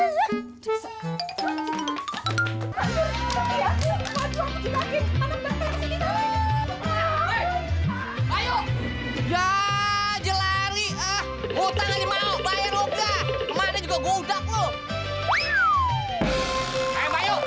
sampai jumpa di video selanjutnya